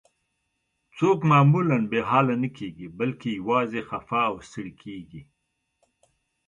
څوک معمولاً بې حاله نه کیږي، بلکې یوازې خفه او ستړي کیږي.